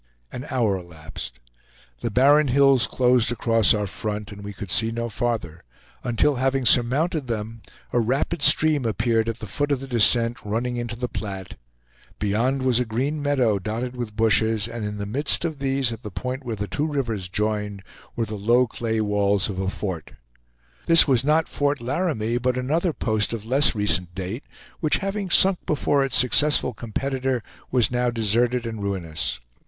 An hour elapsed. The barren hills closed across our front, and we could see no farther; until having surmounted them, a rapid stream appeared at the foot of the descent, running into the Platte; beyond was a green meadow, dotted with bushes, and in the midst of these, at the point where the two rivers joined, were the low clay walls of a fort. This was not Fort Laramie, but another post of less recent date, which having sunk before its successful competitor was now deserted and ruinous.